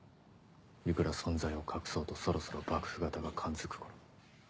いくら存在を隠そうとそろそろ幕府方が感づく頃。